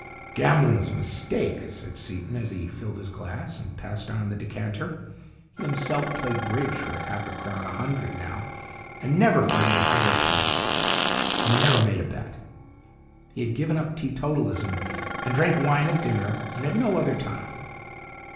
" Gambling's a mistake," said Seaton, as he filled his glass and passed on the decanter. He himself played bridge for half a crown a hundred now, and never for any higher point, and never made a bet. He had given up teetotalism and drank wine at dinner and at no other time.